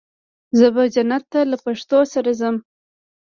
زه به جنت ته له پښتو سره ځم.